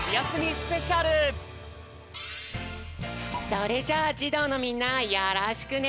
それじゃあじどうのみんなよろしくね！